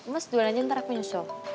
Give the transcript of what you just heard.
mas duluan aja ntar aku nyusul